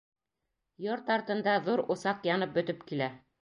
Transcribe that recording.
Йорт артында ҙур усаҡ янып бөтөп килә.